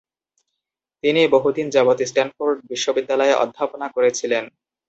তিনি বহুদিন যাবৎ স্ট্যানফোর্ড বিশ্ববিদ্যালয়ে অধ্যাপনা করেছিলেন।